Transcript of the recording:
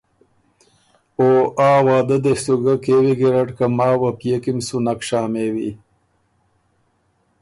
او آ وعدۀ دې بو کېوی ګیرډ که ماوه پئے کی م سُو نک شامېوی